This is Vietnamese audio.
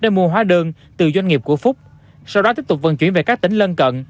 để mua hóa đơn từ doanh nghiệp của phúc sau đó tiếp tục vận chuyển về các tỉnh lân cận